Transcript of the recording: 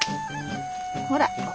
ほら！